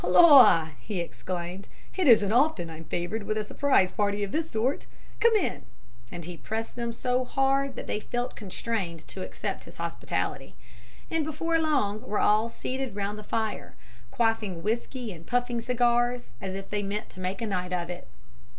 "'Hulloa!' he exclaimed, 'it isn't often I'm favoured with a surprise party of this sort. Come in'; and he pressed them so hard that they felt constrained to accept his hospitality, and before long were all seated round the fire, quaffing whisky and puffing cigars as if they meant to make a night of it.